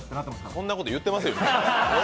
そんなこと言ってませんよ。